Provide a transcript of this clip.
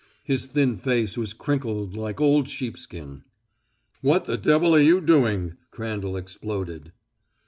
His thin face was crinkled like old sheepskin. "What the devil are you doing?" Crandall exploded.